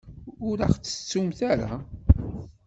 Ur aɣ-ttettumt ara.